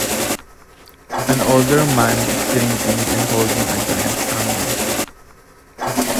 An older man is drinking and holding a giant hammer.